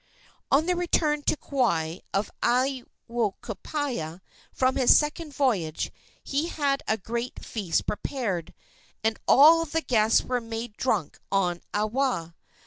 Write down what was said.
On the return to Kauai of Aiwohikupua from his second voyage he had a great feast prepared, and all the guests were made drunk on awa.